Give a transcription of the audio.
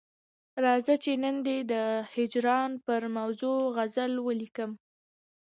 راځه چې نن دي د هجران پر موضوع غزل ولیکم.